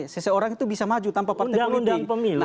seseorang itu bisa maju tanpa partai politik